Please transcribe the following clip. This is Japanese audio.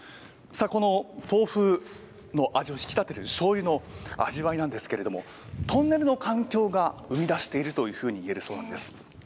この豆腐の味を引き立てるしょうゆの味わいなんですけれども、トンネルの環境が生み出しているというふうに言えるそうなんです。